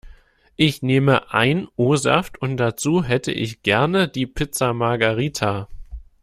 Ich nehme ein O-Saft und dazu hätte ich gerne die Pizza Margarita.